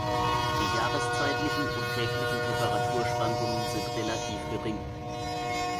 Die jahreszeitlichen und täglichen Temperaturschwankungen sind relativ gering.